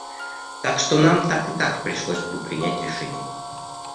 Так что нам так и так пришлось бы принять решение.